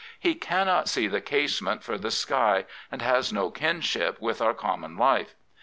He cannot see the casement for the sky and has no kinship with our common life.